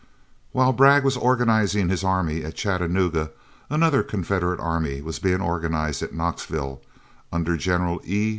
While Bragg was organizing his army at Chattanooga, another Confederate army was being organized at Knoxville under General E.